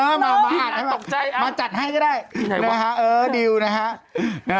เออมาอาจมาจัดให้ก็ได้ฮะดิวนะครับ